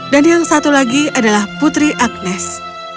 dan yang satu lagi adalah putri agnes